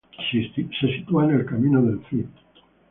Se sitúa en el Camino del Cid.